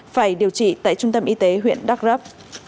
phải điều trị tại trung tâm y tế huyện đắk rấp